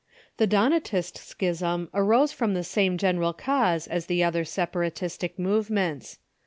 The Donatist schism arose from the same general cause as the other separatistic movements.